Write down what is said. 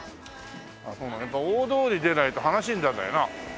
やっぱ大通り出ないと話になんないよな。